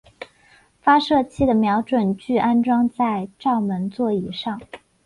发射器的瞄准具安装在照门座以上。